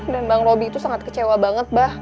dan bang robi itu sangat kecewa banget sama abah